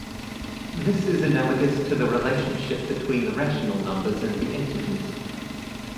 This is analogous to the relationship between the rational numbers and the integers.